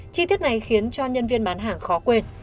chi tiết này khiến cho nhân viên bán hàng khó quên